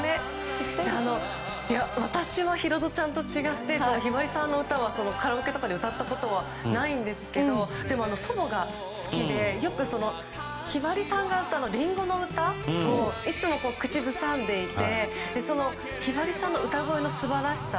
私はヒロドちゃんと違ってひばりさんの歌はカラオケとかで歌ったことはないんですけどでも、祖母が好きでよくひばりさんの歌う「リンゴの唄」をいつも口ずさんでいてひばりさんの歌声の素晴らしさ